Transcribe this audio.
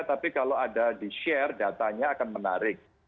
tapi kalau ada di share datanya akan menarik